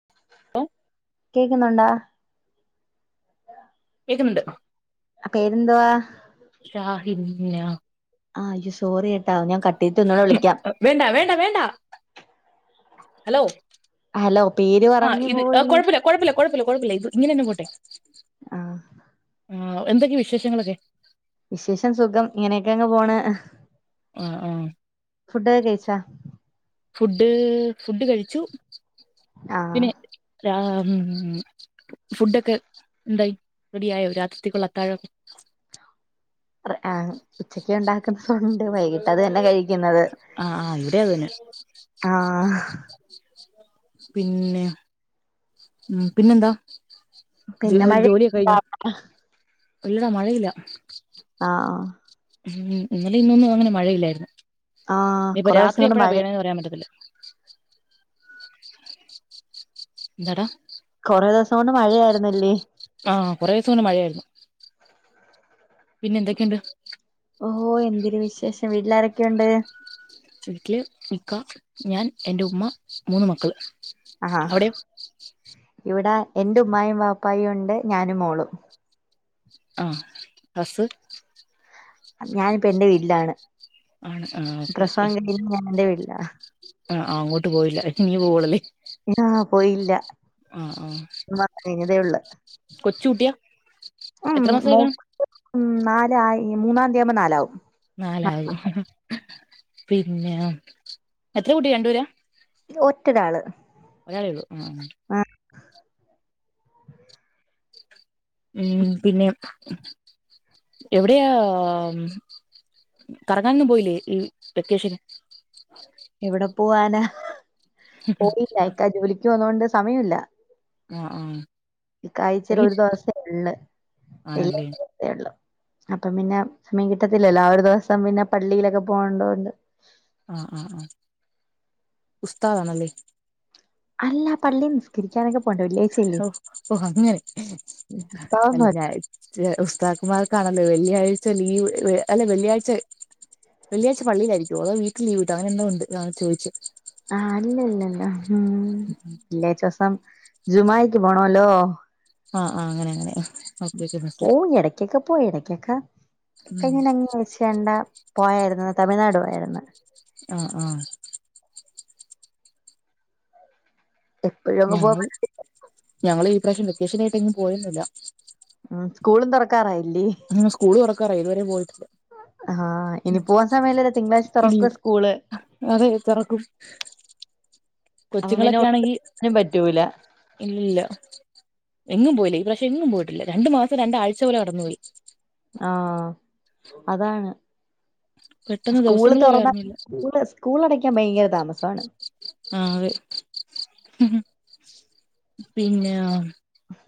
ആ [inaudible] ഏ കേക്കുന്നുണ്ടാ ഇത്ണ്ട് അപ്പേരെന്തുവാ നാ ങാ സോറി കേട്ടാ ഞാ വേണ്ടാ വേണ്ട വേണ്ടാ ഹലോ ഹലോ പേര് പറഞ്ഞു പോയി കുഴപ്പില്ല കൊഴപ്പില്ല ഇങ്ങനന്നെ പോട്ടെ ആ ങാ എന്തൊക്കെയ വിശേഷങ്ങളൊക്കെ വിശേഷം സുഖം ഇങ്ങനെയൊക്കെ അങ്ങ് പോണ് ങാ ങാ ഫുഡോക്കെ കഴിച്ച ഫുഡ് ഫുഡ് കഴിച്ചു ആ പിന്നെ ഉം ഫുഡൊക്കെ എന്തായി റെഡിയായോ രാത്രിത്തേക്കുള്ള അത്താഴൊക്കെ ഉച്ചക്ക് ഒണ്ടാക്കുന്നതൊണ്ട് വൈകിട്ട് അത് തന്നെ കഴി ക്കുന്നത് ആ ആ ഇവിടെ അത് തന്നെ ങാ പിന്നെ ഉം പിന്നെന്താ ജോ പിന്നെ മഴേ ജോലിയൊക്കെ കഴിഞ്ഞോ [unintelligible] ഇല്ലടാ മഴയില്ല ങാ ആ ഉം ഇന്നലേം ഇന്നൊന്നും അങ്ങനെ മഴയില്ലായിരുന്നു ആ ഇനിയിപ്പ കൊറേ ദിവസം രാത്രി കൊണ്ട് എപ്പഴാ മഴ പെയ്യണേന്ന് പറയാൻ പറ്റത്തില്ല എന്താടാ കൊറെ ദിവസം കൊണ്ട് മഴയായിരുന്നല്ലേ കുറെേ ദിവസം കൊണ്ട് മഴയായിരുന്നു പിന്നെ എന്തൊക്കെയുണ്ട് ഓഹോ എന്തിരു വിശേഷം വീട്ടിലാരൊ ക്കെ ണ്ട് വീട്ടിൽ ഇക്ക ഞാൻ എന്റെ ഉമ്മ മൂന്ന് മക്കൾ ആ ഇവിടെ എന്റെ ഉമ്മായും വാപ്പായും ഉണ്ട് ഞാനും മോളും ആ ഹസ് ഞാനിപ്പ എന്റെ വീട്ടിലാണ് ആണ് ആ ഓക്കെ ഓക്കെ പ്രസവം കഴിഞ്ഞ് ഞാനെന്റെ വീട്ടിലാ ആ ആ അങ്ങോട്ട് പോയില്ല ഇനി പോവൊള്ളൂ അല്ലെ ആ പോയില്ല ആ ആ ഒരു മാസം കഴിഞ്ഞതേ ഉള്ളൂ കൊച്ചു കുട്ടിയാ ഉം എത്ര മാസം ആയിക്കാണും മോക്ക് ഉം നാലായി മൂന്നാംതിയാവുമ്പോ നാലാവും നാലാകും പിന്നെ എത്ര കുട്ടി രണ്ടുപേരാ ഒറ്റൊരാള് ഒരാളെ ഒള്ളൂ ആ ആഹ് ഉം പിന്നെ എവിടെയാ കറങ്ങാനൊന്നും പോയില്ലേ ഈ വെക്കേഷന് എവിടെ പോവാനാ പോയില്ല ഇക്കാ ജോലിക്ക് പോന്നോണ്ട് സമയം ഇല്ല ആ ആ ക്ക് ആഴ്ചയിൽ ഒരു തനിക്ക് ദിവസേ ഒള്ള് ആണല്ലേ വെള്ളിയാഴ്ച ദിവസേ ഒള്ളു അപ്പം പിന്നെ സമയം കിട്ടത്തില്ലല്ലോ ആ ഒരു ദിവസം പിന്നെ പള്ളിയിലൊക്കെ പോകണ്ട കൊണ്ട് ആ ആ ആ ഉസ്താതാണല്ലേ അല്ല പള്ളി നിസ്കരിക്കാനൊക്കെ പോണ്ടേ വെള്ളിയാഴ്ചയല്ലേ ഓ ഓ അങ്ങനെ അല്ല ഞാ [inaudible] ച്ച് ഉസ്താദുമാ കാണല്ലേ വെള്ളിയാഴ്ച ലീവ് അല്ല വെള്ളിയാഴ്ച വെള്ളിയാഴ്ച പള്ളിയിലായിരിക്കൊ അതോ വീട്ടിൽ ലീവ് കിട്ടോ അങ്ങനെ എന്തോ ഉണ്ട് അതാ ഞാൻ ചോയിച്ചേ ആ അല്ല അല്ല അല്ല ഉം വെള്ളിയാഴ്ച ദിവസം ജുമായിക്ക് പോണോല്ലോ ആ ആ അങ്ങനെ അങ്ങനെ ഓക്കെ ഓക്കെ മനസ്സിലായി പോവും എടക്കൊക്കെ പോവും എടക്ക് കേക്കാ ഉം അങ്ങനെ വെച്ച് കണ്ട പോയായിരുന്നു തമിഴ്നാടു പോയായിരുന്നു ആ ആ എപ്പോഴും അങ്ങ് പോ ഞങ്ങൾ ഞങ്ങള് ഇപ്രാവിശം വെക്കേഷനായിട്ട് എങ്ങും പോയെന്നുല്ല ഉം സ്കൂളും തുറക്കറായി ഇനി സ്കൂള് തുറക്കാറായി ഇതുവരെ പോയിട്ടില്ല ആഹ് ഇനി പോവാൻ സമയല്ലല്ലോ തിങ്കളാഴ്ച ഇ തുറക്കും സ്കൂള് [unintelligible] അതെ തുറക്കും അപ്പം പിന്നെ കൊച്ചുങ്ങളൊക്കെ ആണെങ്കി ഒന്നിനും പറ്റൂല ഇല്ലില്ല എങ്ങും പോയില്ല ഈ പ്രാശം എങ്ങും പോയിട്ടില്ല രണ്ടു മാസം രണ്ടാഴ്ച പോലെ കടന്നു പോയി ആ അതാണ് പെട്ടെന്ന് സ്കൂള് ദിവസങ്ങള് പോയ തുറന്ന അറിഞ്ഞില്ല സ്കൂൾ സ്കൂളട ഭയങ്കര താമസമാണ് ആതെ [unintelligible] പിന്നെ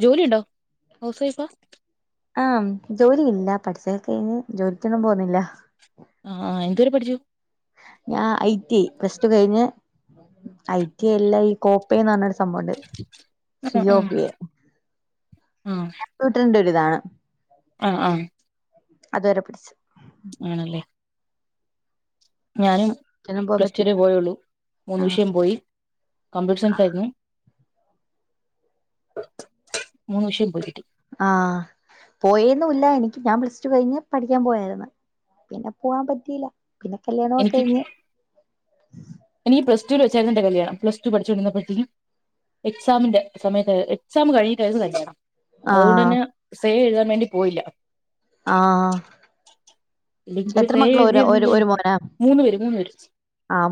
ജോലിഉണ്ടോ ഹൗസ് വൈഫാ ആ ജോലിയില്ല പഠിച്ചൊക്കെ കഴഞ്ഞ് ജോലിക്കൊന്നും പോവുന്നില്ല ആ അ എന്തുവരെ പഠിച്ചു ഞാൻ ഐ ടി പ്ലസ് ടു കഴിഞ്ഞ് ഐ ടി എല്ല ഈ കോപ്പന്ന് പറഞ്ഞഒരു, സംഭണ്ട് ആഹ് ആഹ് സിയോപിയെ കമ്പ്യൂട്ടർ ന്റെ ഒരു ഇതാണ് ആ ആ അതുവരെ പടിച്ചു ആണല്ലേ ഞാനും ഒന്നിനും പോകാൻ പ്ലസ് ടു വരെ പറ്റിയില്ല പോയുള്ളൂ മൂന്ന് ആഹ് വിഷം പോയി കംമ്പ്യൂട്ടർ സൈൻസ് ആയിരുന്നു മുന്നു വിഷയം പോയികിട്ടി ആഹ് പോയന്നുംല്ല എനിക്ക് ഞാൻ പ്ലസ് ടു കഴിഞ്ഞ് പഠിക്കാൻ പോയായിരുന്നു പിന്നെ പോവാൻ പറ്റീല്ല പിന്നെ കല്യാണൊക്കെ എനിക്ക് കഴിഞ്ഞു ഉ എനിക്ക് പ്ലസ് ടുവിൽ വെച്ചായിരുന്നു എന്റെ കല്യാണം പ്ലസ് ടു പഠിചോണ്ടിരുന്ന പ്പോഴത്തേക്കും എക്സാമിന്റെ സമയത്ത് എക്സാം കഴിഞ്ഞിട്ടായിരുന്നു കല്യാണം അതുകൊണ്ട് ആഹ് തന്നെ സേ എഴുതാ വേണ്ടി പോയില്ല ആഹ് എത്ര [unintelligible] മക്കള് ഒരു ഒരു എഴുതിരുന്നെ ഒരു മോനാ മൂന്ന് പേര് മൂന്നു പേര്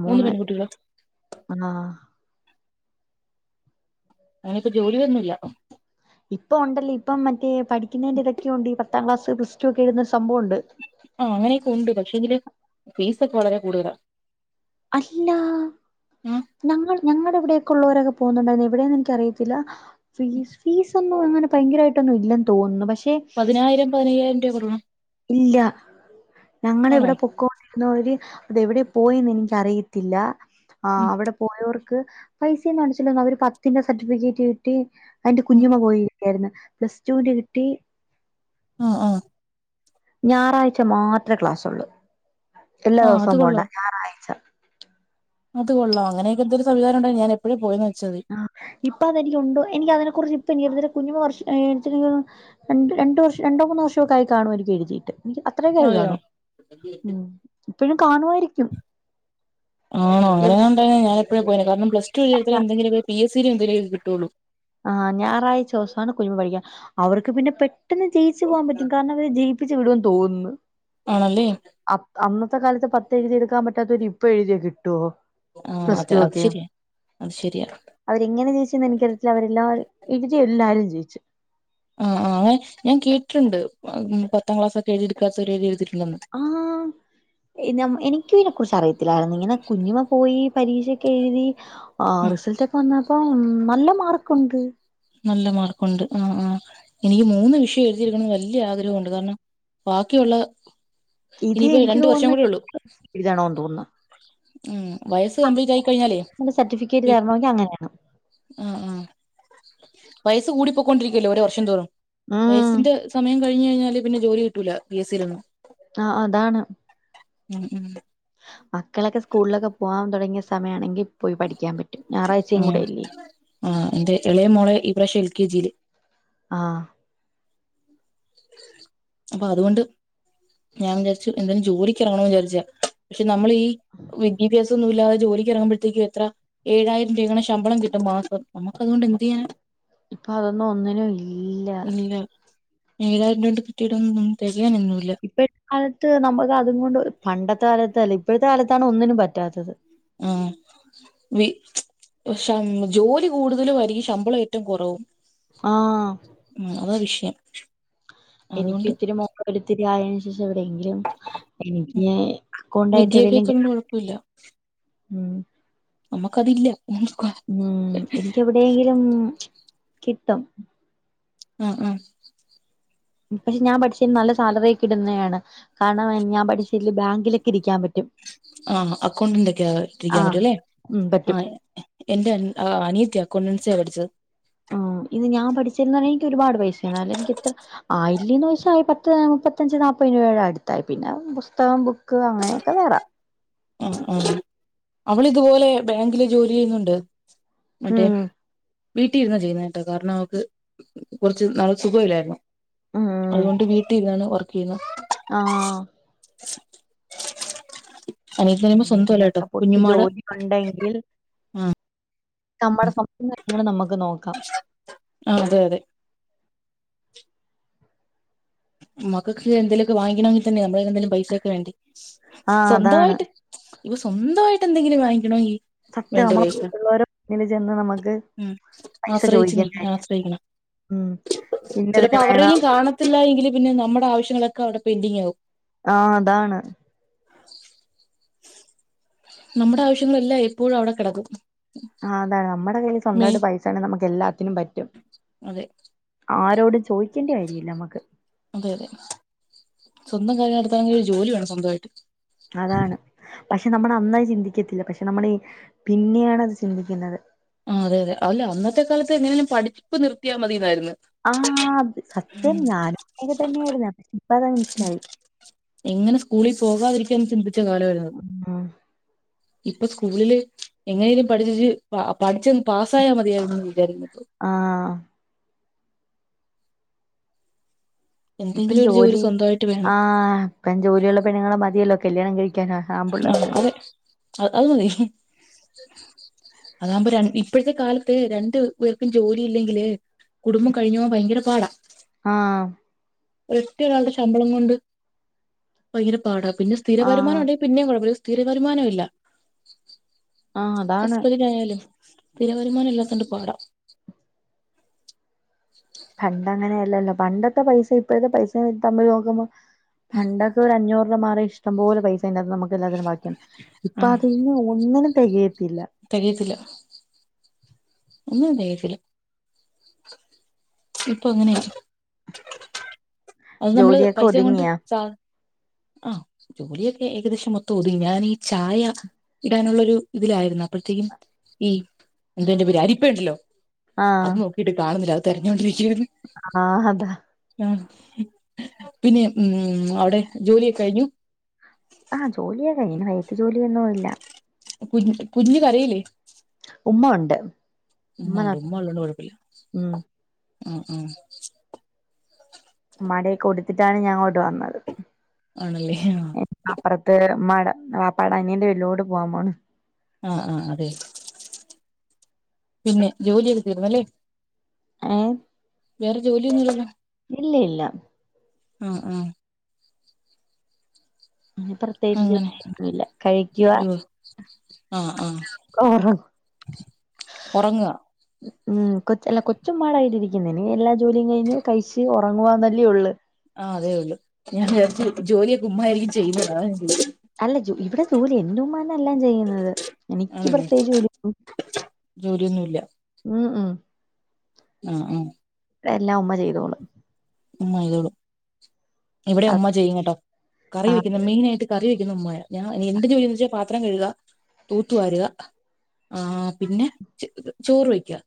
മൂന്ന് പെൺകുട്ടികളാ ആഹ് അങ്ങന ഇപ്പോ ജോലി ഒന്നുല്ല ഇപ്പൊ ഉണ്ടല്ലേ ഇപ്പം മറ്റേ പഠിക്കുന്നതിന്റെ ഇടക്ക്ക്കെണ്ട് പത്താം ക്ലാസ് പ്ലസ് ടു ഒക്കെ എഴുതുന്ന ഒരു സംഭവുണ്ട് ആ അങ്ങനെയൊക്കെ ഉണ്ട് പക്ഷെ ഇങ്കല് ഫീസ ഒക്കെ വളരെ കൂടുതലാ അല്ല. ആ നമ്മൾ ഞങ്ങളുടെ എവിടെയൊക്കെ ഉള്ളവരൊക്കെ പോകുന്നുണ്ടായിരുന്നു എവിടെന്ന് എനിക്ക അറിയത്തില്ല ഫീസ് ഞാളെവിടെള്ളോരേക്കെ പോവുന്നെഎവിടെ എന്നെനിക്ക് അറിയത്തില്ല ഫീസ ഒന്നും അങ്ങനെ ഭയങ്കരമായിട്ടൊന്നും ഇല്ലെന്ന് തോന്നുന്നു പക്ഷെ പതിനായിരം പതിനയ്യായിരം രൂപ കൊടുക്കണം ഇല്ല ഞങ്ങ ആണോ ഇവിടെ പൊക്കോ എന്നര് അത് എവിടെ പോയന്ന് എനിക്ക അറിയത്തില്ല ആ ഉം അവിടെ പോയവർ ക്ക് പൈസയൊന്നും അടച്ചില്ല അവര് പത്തിന്റെ സർട്ടിഫിക്കറ്റ് കിട്ടി അതിന്റെ ഉം കുഞ്ഞുമ്മ പോയി പ്ലസ് റ്റുന്റെ കിട്ടി ആ ആ ഞായറാഴ്ച മാത്രേ ക്ലാസ്സുള്ളൂ എല്ലാ ആ അത് ദിവസവും പോണ്ട കൊള്ളാം ഞായറാഴ്ച അത് കൊള്ളാം അങ്ങനെയൊക്കെന്തൊരു സംവിധനം ഉണ്ടേ ഞാ ൻ എപ്പോഴപ്പോ പോയ ആ ഇപ്പൊ അതെനിക്കുണ്ടോ എനിക്ക് അതിനെ കുറിച്ച് പിന്നീ കുഞ്ഞു വർഷം രണ്ട് വർഷം രണ്ടോ മൂന്ന് വർഷമൊക്ക ആയി കാണും എനിക്ക് എഴുതിയിട്ട് എനിക്ക് അത്രയും കയറി അതെയോ കാണും ഉ എപ്പോഴും കാണുവായി രിക്കും ആണോ അങ്ങനെയാണ്ടേ ഞാൻ പെഴേ പോയേനെ കാരണം പ്ലസ്ടു വിനെഴുതുന്ന ന്തെങ്കിലും പി എസ് സി യിൽ എന്തേലും എഴുതും വിട്ടോളൂ ആഹ ഞായറാഴ്ച ദിവസമാണ് കുഞ്ഞു വയ്യ അവർക്ക് പിന്നെ പെട്ടെന്ന് പെട്ടന്ന് ജയിച്ചു പോകാൻ പറ്റും കാരണം അവര് ജയിപ്പിച്ചു വീടുവന്നു തോന്നുന്നു ആണല്ലേ അ അന്നത്തെ കാലത്തെ പത്ത് ഇതെഴുതിയെടുക്കാൻ പറ്റാത്തവർ ഇപ്പോൾ എഴുതിയ കിട്ടു ആ പ്ലസ് അതെ ടു അത് ഒക്കെയോ ശരിയാ അത് ശരിയാ അവരെ ഇങ്ങനെ ജയിച്ചു എന്ന് എനി ഇപ്പോ എഴുതി എല്ലാരും ജയിച്ചു ആഹ ആ അങ്ങനെ ഞാൻ കേട്ടുണ്ട് പത്താം ക്ലാസ്സ് ക്കെ എഴുതിെടുക്കാത്ത എഴുതി ആ എനിക്ക ഇതിനെക്കുറിച്ച് അറിയത്തില്ലായിരുന്നു ഇങ്ങനെ കുഞ്ഞുമ പോയി പരീക്ഷൊക്കെ എഴുതി ആ ഉം റിസൾട്ടൊക്കെ വന്നപ്പോ ഉം. നല്ല മാർക്കുണ്ട് നല്ല മാർക്കുണ്ട് ആ ആ എനിക്ക് മൂന്ന് വിഷയം എഴുതിഎടുക്കാണെന്ന് വല്യ ആഗ്രഹമുണ്ട് കാരണം ബാക്കിയുള്ള ഇത് ഇനിയിപ്പോ എനിക്ക് രണ്ട് വർഷം കൂടെ തോന്നുന്ന... ഉള്ളൂ എഴുതണോന്ന് തോന്നുന്നു ഉം വയസ്സ് കംപ്ലീറ്റ് ആയിക്കഴിഞ്ഞാലേ സർട്ടിഫിക്കറ്റ് പി തരണമെങ്കിൽ അങ്ങനെയാണ് ആ ആ വയസ് കൂടി പോക്കൊണ്ടിരിക്കല്ലോ ഒരോ വർഷം തോറും ഉം വയസ്സിന്റെ സമയം കഴി കഴിഞ്ഞാല് പിന്നെ ജോലി കിട്ടൂല പിഎസ്സിയിൽ ഒന്നും ആഹ് അതാണ് [inaudible] മക്കളൊക്കെ സ്കൂളിലൊക്കെ പോവാൻ തുടങ്ങിയ സമയാണ് ഉം അ തേ ഇളയ മോളെ ഇപ്രാവശ്യം എൽ. കെ. ജി ഇൽ ആഹ് അപ്പൊ അതുകൊണ്ട് ഞാൻ വിചാരിച്ചു എന്തെങ്കിലും ജോലിക്ക് ഇറങ്ങണമെന്ന് വിചാരിച്ചയാ നമ്മള് ഈ വിദ്യാഭ്യാസഒന്നുമില്ലാതെ ജോലിക്ക്റങ്ങുമ്പോഴത്തേക്കും എത്ര ഏഴായിരംരൂപയങ്ങാണം ശമ്പളം കിട്ടും മാസം നമുക്ക് അതുകൊണ്ട് എന്ത്ചെയ്യാനാ ഇപ്പൊ അതൊന്നും ഒന്നിനും ഇല്ല [unintelligible] ഏഴാംയിരം രൂപ കൊണ്ട് തികയാനൊന്നുമില്ല ഇപ്പഴത്തെ കാലത്ത് നമ്മുക്ക് അതുകൊണ്ട് ഇപ്പോഴത്തെ കാലത്താണ് ഒന്നിനും പറ്റാത്തത് ജോലി കൂടുതലും ആകും ശമ്പളം ഏറ്റവും കുറവും ആഹ് മ് അതാ വിഷയം എനിക്ക് അതുകൊണ്ട് ഇത്തിരി [inaudible] എവിടെയെങ്കിലും എനിക്ക് കോണ്ടായിട്ട് കേറണം വിദ്യാഭ്യാസം കൊണ്ട് [inaudible] ഉം നമ്മക്കതില്ല ഉം എനിക്ക് എവിടെങ്കിലും കിട്ടും ആ ആ പക്ഷെ ഞാൻ പഠിച്ചിന്ന് നല്ല ശമ്പളം ക്കെഇ ടു ന്നയാണ് കാരണം ഞാൻ പഠിച്ചില് ബാങ്കിലൊക്കെ രിക്കാൻ പറ്റും ആഹ് അക്കൗണ്ടിന്റെക്കെ യാ രിക്കാൻ ആഹ് പറ്റൊ ല്ലെ ഉം പറ്റും ആ എന്റെ അ അനിയത്തിയാ [unintelligible] ആഹ ഇത് ഞാൻ പഠിചിർന്നു ന്ന് പറഞ്ഞാ എനിക്ക് ഒരുപാട് പൈസന്നു മായില്ല ആയില്ലെന്ന് ചോദിച്ചാൽ പത്ത്മുപ്പത്തഞ്ച് നാപ്പ ത് രൂപയുടെ അടുത്തായി പിന്നെ പുസ്തകം ബുക്ക് അങ്ങനെയൊക്കെ വേറെ ആ അവളിതുപോലെ ബാങ്കില് ജോലി ചെയ്യുന്നുണ്ട് മറ്റേ ഉം വീട്ടിൽ ഇരുന്നാ ചെയ്യുന്നേ ട്ടോ കാരണം അവക്ക് കൊറച്ച് നാൾ സുഖ ല്ലായിരുന്നു അതുകൊണ്ട് വീട്ടിൽ ഇരുന്നാണ് [unintelligible] ആഹ അനിയത്തി പറയുമ്പോ സ്വന്തമല്ല എന്തെങ്കിലൊ കേട്ടോ ക്കെ പൊട്ട് കുഞ്ഞുമ്മാടെ ജോലി ഉണ്ടെങ്കിൽ നമ്മടെ സ്വപ്നങ്ങള് നമ്മുക്ക് നോക്കാം ആ അതെ അതെ മക്കക്കെ എന്തെലൊ ക്കെ വാങ്ങി ക്ക ണമെങ്കി തന്നെ നമ്മ [unintelligible] പൈസേക്കെ വേണ്ടേ ആഹ് സ്വന്താ അതാണ് യിട്ട് സ്വന്താ യിട്ട് എന്തെങ്കിലും വാങ്ങിക്കണോങ്കി സത്യം നമ്മള് വേണ്ടെപൈസ? മറ്റുള്ളവരുടെ മുന്നിൽ ചെന്ന് നമുക്ക് പൈസ ആസ്റഇച്ച് നി ചോദിക്കണ്ട ആസ്ര യിക്കണം ഉം ചെലപ്പോ ഇന്നതിന് വേണം അവരേലും കാണത്തില്ല എ ങ്കിലും നമ്മളെ ആവശ്യങ്ങളൊക്കെ അവിടെ പെൻഡിങ്ങാവും ആഹ് അതാണ് നമ്മടെ ആവശ്യങ്ങളല്ലാം എപ്പോഴും അവിടെ കെ ടക്കും ആഹ അതാ നമ്മടെ കയ്യിൽ സ്വന്താ യിട്ട് പൈസണ്ടെങ്കി നമുക്ക് എല്ലാ ത്തിനും പറ്റും അതെ ആ രോട് ചോയ്ക്കണ്ടി വരീല്ല നമ്മക് അതെ അതെ സ്വന്തം കാര്യം നടത്തനെങ്കി ജോലി വേണം സ്വന്തമായിട്ട് അതാണ് പക്ഷെ നമ്മൾ അന്നത് ചിന്തിക്കത്തില്ല പക്ഷെ നമ്മള് പിന്നെയാണ് അത് ചിന്തിക്കുന്നത് ആ അതെയതെ അല്ല അന്നത്തെ കാലത്ത് എങ്ങനെങ്കിലും പഠിപ്പ് നിർത്തിയാ മതിന്നായിരുന്ന് ആ ത് സത്യം ഞാനും ഇങ്ങനെ തന്നെയായിരുന്ന് ഇപ്പോ എങ്ങനെ സ്കൂളിപോകാതി [unintelligible] ഉം [unintelligible] ഇപ്പൊ സ്കൂളില് എങ്ങനെങ്കിലും പഠിച്ചേച് പഠിച്ചന്നു പാസ്സായാ മതിയായിരുന്നു വിചാരിക്കുന്നു ഇപ്പൊ ആഹ ഇപ്പം എന്തെങ്കിലും ഒരു ജോലി സ്വന്തമായിട്ട് ആ വേണം ഇപ്പം ജോലിയുള്ള പെണ്ണുങ്ങളെ മതിയല്ലോ കല്യാണം കഴി അ അതെ അതുമതി അതാകുമ്പോ ഇപ്പോഴത്തെ കാലത്ത് രണ്ട് പേർക്കും ജോലി ഇല്ലെങ്കില് കുടുംബം കഴിഞ്ഞ് പോകാൻ ഭയങ്കര പാടാ ആ ഒരു ഒറ്റ ഒരാളുടെ ശമ്പളം കൊണ്ട് ഭയങ്കര പാടാ പിന്നെ സ്ഥിര ആ വരുമാനം ഉണ്ടങ്കി പിന്നെയും കുഴപ്പമില്ല സ്ഥിര വരുമാനം ഇല്ല ആ അതാണ് ഹസ്ബൻ്റിന് ആയാലും സ്ഥിര വരുമാനം ഇല്ലാത്തോണ്ട് പാടാ പണ്ട് അങ്ങനെ ഇല്ലല്ല പണ്ടത്തെ പൈസയും ഇപ്പഴത്ത പൈസയും തമ്മിൽ നോക്കുമ്പോ പണ്ടൊക്ക ഒരു അഞ്ഞൂറ് രൂപ മാറി ഇഷ്ടം പോല പൈസ ഇതിനാത്തൂന്ന് നമുക്ക് എല്ലാത്തിനും ബാക്കി ഇപ്പൊ ആഹ് അതിന് ഒന്നിനും [unintelligible] തികയത്തില്ല ഒന്നിനും തികയത്തില്ല ഇപ്പൊ എങ്ങനെയായി അത് നമ്മള് ജോലിയൊക്കെ പൈസയും കൊണ്ട് ഒതുങ്ങിയാ സാ ആ ജോലിയൊക്കെ ഏകദേശം മൊത്തം ഒതുങ്ങി, ഞാൻ. ചായ ഇടാനുള്ള ഒരു ഇതിലായിരുന്നു. അപ്പോഴത്തേക്കും ഈ എന്താ അതിന്റെ പേര്? അരിപ്പ ഉണ്ടല്ലോ ആ അത് നോക്കിട്ട് കാണുന്നില്ല തെരഞ്ഞോണ്ടിരി ആ, അതാ പിന്നെ, ഉം, അവിടെ ജോലിയൊക്കെ കഴിഞ്ഞു ആ, ജോലിയക്കെ കഴിഞ്ഞ്, ഇനി വൈകിട്ട് ജോലിയൊന്നും ഇല്ല. കുഞ്ഞ് കരയില്ലേ? [unintelligible] ഉമ്മ ഒണ്ട് ഉമ്മ ഉണ്ട് [unintelligible] ഉം, ഉം ഉമ്മാടെ കൊടുത്തിട്ടാണ് ഞാൻ അങ്ങോട്ട് വന്നത്. ആണല്ലേ, ആ അപ്പറത്ത് ഉമ്മാടെ, വാപ്പാടെ അനിയന്റെ വീട്ടിലോട്ട് പോവാാൻ പോണ് ആഹ് ആഹ് അതെ പിന്നെ ജോലിയൊക്കെ തീർന്ന് അല്ലേ ആ വേറെ ജോലിയൊന്നു ഇല്ലല്ലോ? ഇല്ലില്ല. ആ, ആ അങ്ങനെ പ്രത്യേകിച്ച് ജോലി അങ്ങനെ ഒന്നും ഇല്ല, കഴിക്കുവാ [unintelligible] ആ ആ ഒറങ്ങുക. ഉം, കൊച്ച് അല്ലാ കൊച്ച് ഉമ്മാടെ കയ്യിലിരിക്കുന്നേന് എല്ലാ ജോലീം കഴിഞ്ഞു കഴിച്ച് ഒ ഒറങ്ങുവാന്നല്ലീ ഒളള് ആ അതേ ഒള്ളൂ. ഞാൻ വിചാരിച്ചു ജോലിയൊക്കെ ഉമ്മ ആയിരിക്കും ചെയ്യുന്നത്. അതാ ചോദിച്ചേ അല്ല ജോ ഇവിടെ ജോലി എന്റുമ്മ തന്ന എല്ലാം ചെയ്യുന്നത്, എനിക്ക് ആണല്ലേ പ്രത്യേക ജോലി [unintelligible] ജോലിയൊന്നുല്ല ഉം ഉം മ് മ് എല്ലാം ഉമ്മ ചെയ്തോളും. ഉമ്മ ചെയ്തോളും. ഇവിടെ അത് ഉമ്മ ചെയ്യും കേട്ടോ. കറി വെക്കുന്ന് ആഹ് മെയിനായിട്ട് കറി വെക്കു [unintelligible] ഉമ്മായാ ഞാ എൻ്റെ ജോലീന്ന് വെച്ചാ പാത് ത്രം കഴുകുക, തൂത്തുവാരുക ആ പിന്നെ ഇത് ചോറ് വയ്ക്കുക.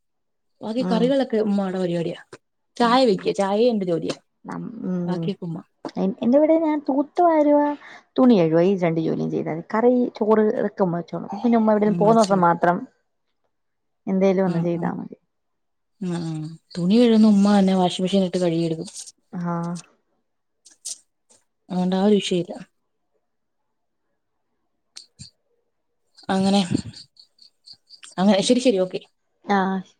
ബാക്കി ഉം കറികളൊക്കെ ഉമ്മാടെ പരി യാ. ചായ വയ്ക്ക ചായേം ഇണ്ട്. നമ് എൻ എന്റെവിടെ ഞാൻ തൂത്തു വാരുവാ തുണി കഴുവാ ഈ രണ്ട് ജോലിയും ചെയ്താ മതി. കറി, ചോറ് ഇതൊക്കെ ഉമ്മ വച്ചോളും. പിന്ന ഉമ്മ എവിടെലും പോവൂന്ന ദിവസം മാത്രം എന്തേലും ഒന്ന് ഉം ഉം ചെയ്താൽ മതി ഉം ഉം തുണി തുണി കഴുകുന്ന ഉമ്മ തന്നെ വാഷിംഗ്‌ മെഷീനിലിട്ട് കഴുകിയെടുക്കും. ആഹ് അതുകൊണ്ട് ആ ഒരു വിഷയില്ല. അങ്ങനെ അങ്ങനെ ശരി ശരി ഓക്കെ ആഹ് ശ